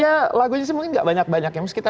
ya lagunya sih mungkin gak banyak banyak ya